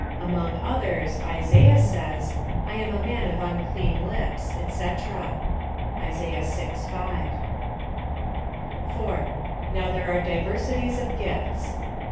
Among others, Isaiah says — I a,m a man of unclean lips, &c. (Isaiah vi. 5.) 4. Now there are diversities of gifts.